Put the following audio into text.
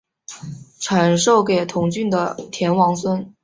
传授给同郡的田王孙。